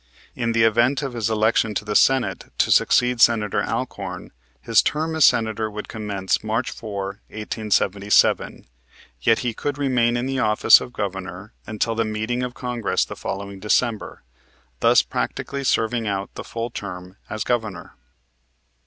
In the event of his election to the Senate to succeed Senator Alcorn, his term as Senator would commence March 4, 1877, yet he could remain in the office of Governor until the meeting of Congress the following December, thus practically serving out the full term as Governor.